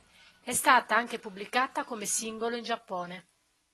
È stata anche pubblicata come singolo in Giappone.